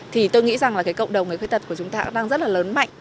thì tôi nghĩ rằng cộng đồng người khuyết tật của chúng ta đang rất là lớn mạnh